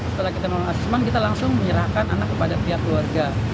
setelah kita melakukan asesmen kita langsung menyerahkan anak kepada pihak keluarga